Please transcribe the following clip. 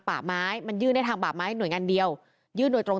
ป่าไม้มันยื่นได้ทางป่าไม้หน่วยงานเดียวยื่นโดยตรง